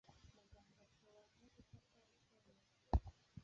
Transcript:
muganga ashobora no gufata icyemezo